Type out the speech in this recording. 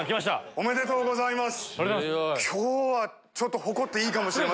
おめでとうございます！